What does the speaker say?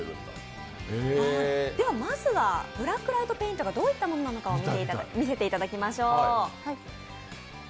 では、まずはブラックライトペイントがどういうものかを見せてもらいましょう。